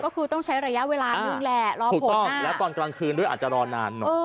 ก็คือต้องใช้ระยะเวลานึงแหละรอผลแล้วตอนกลางคืนด้วยอาจจะรอนานหน่อย